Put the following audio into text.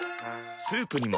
スープにも。